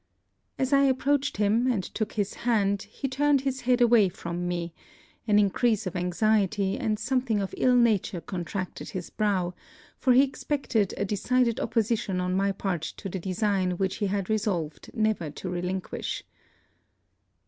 As I approached him, and took his hand, he turned his head away from me; an increase of anxiety and something of ill nature contracted his brow, for he expected a decided opposition on my part to the design which he had resolved never to relinquish.